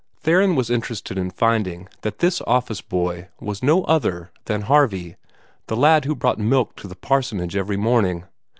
Theron was interested in finding that this office boy was no other than Harvey the lad who brought milk to the parsonage every morning.